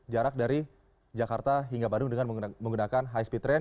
jarak dari jakarta hingga bandung dengan menggunakan high speed train